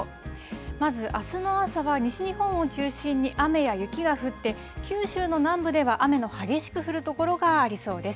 まずあすの朝は、西日本を中心に雨や雪が降って、九州の南部では雨の激しく降る所がありそうです。